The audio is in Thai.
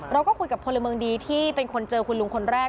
เราก็คุยกับพลเมืองดีที่เป็นคนเจอคุณลุงคนแรก